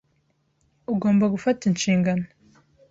Ugomba gufata inshingano.